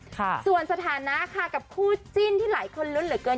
ค่ะส่วนสถานะค่ะกับคู่จิ้นที่หลายคนลุ้นเหลือเกิน